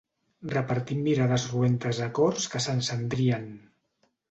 Repartint mirades roentes a cors que s'encendrien